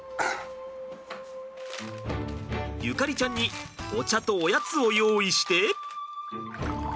縁ちゃんにお茶とおやつを用意して。